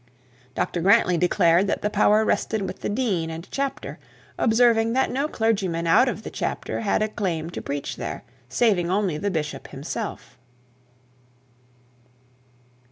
Dr Grantly declared that the power rested with the dean and chapter, observing that no clergyman out of the chapter had a claim to preach there, saving only the bishop himself.